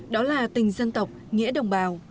đó là tình dân tộc nghĩa đồng bào